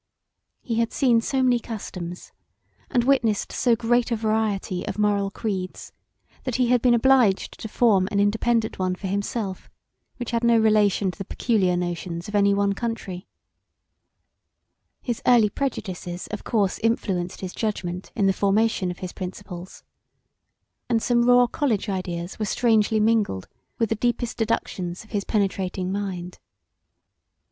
He had seen so many customs and witnessed so great a variety of moral creeds that he had been obliged to form an independant one for himself which had no relation to the peculiar notions of any one country: his early prejudices of course influenced his judgement in the formation of his principles, and some raw colledge ideas were strangely mingled with the deepest deductions of his penetrating mind.